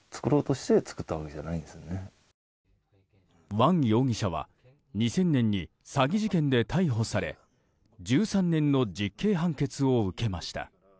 ワン容疑者は２０００年に詐欺事件で逮捕され１３年の実刑判決を受けました。